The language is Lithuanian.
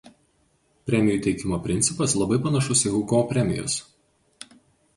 Premijų teikimo principas labai panašus į Hugo premijos.